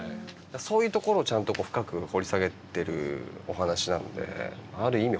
そういうところちゃんと深く掘り下げてるお話なのである意味